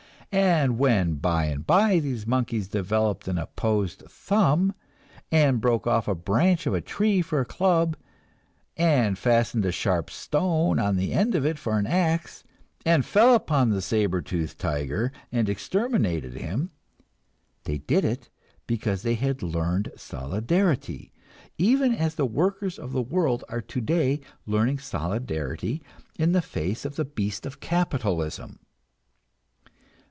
And when by and by these monkeys developed an opposed thumb, and broke off a branch of a tree for a club, and fastened a sharp stone on the end of it for an axe, and fell upon the saber toothed tiger and exterminated him, they did it because they had learned solidarity even as the workers of the world are today learning solidarity in the face of the beast of capitalism.